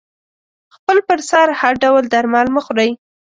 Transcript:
خپل پر سر هر ډول درمل مه خوری